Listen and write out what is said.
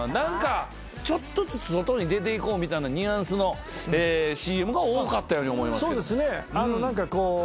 ちょっとずつ外に出ていこうみたいなニュアンスのＣＭが多かったように思いますけど。